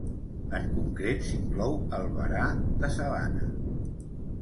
En concret s'inclou el varà de sabana.